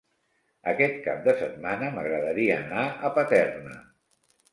Aquest cap de setmana m'agradaria anar a Paterna.